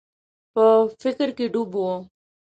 په فکر کي ډوب و.